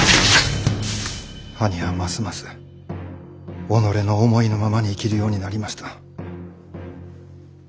兄はますます己の思いのままに生きるようになりました。